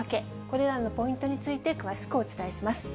これらのポイントについて詳しくお伝えします。